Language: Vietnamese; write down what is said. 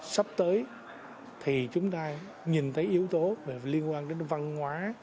sắp tới thì chúng ta nhìn thấy yếu tố liên quan đến văn hóa